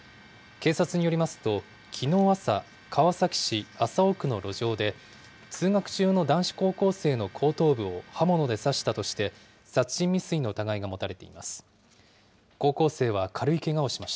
警察によりますと、きのう朝、川崎市麻生区の路上で、通学中の男子高校生の後頭部を刃物で刺したとして、殺人未遂の疑いが持たれています。